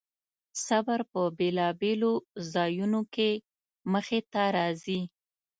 صبر په بېلابېلو ځایونو کې مخې ته راځي.